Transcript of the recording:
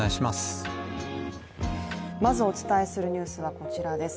まず、お伝えするニュースはこちらです。